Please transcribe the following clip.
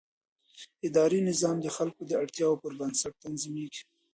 اداري نظام د خلکو د اړتیاوو پر بنسټ تنظیمېږي.